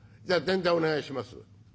じゃあぜんざいお願いします」。